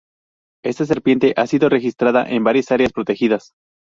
Esta serpiente ha sido registrada en varias áreas protegidas.